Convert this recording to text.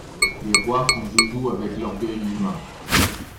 Les rois font joujou avec l’orgueil humain.